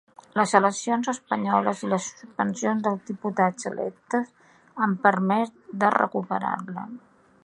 Les eleccions espanyoles i les suspensions dels diputats electes han permès de recuperar-la.